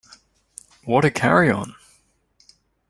What a Carry On!